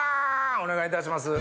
お願いいたします。